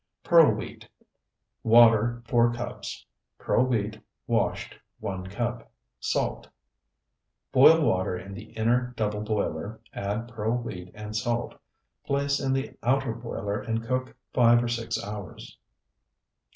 PEARL WHEAT Water, 4 cups. Pearl wheat, washed, 1 cup. Salt. Boil water in the inner double boiler, add pearl wheat, and salt. Place in the outer boiler and cook five or six hours.